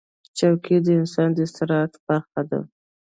چوکۍ د انسان د استراحت برخه ده.